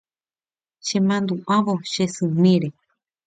Chemandu'ávo che symíre